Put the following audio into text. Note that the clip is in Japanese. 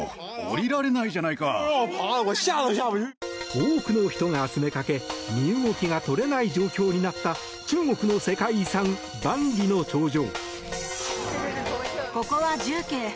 多くの人が詰めかけ身動きが取れない状況になった中国の世界遺産・万里の長城。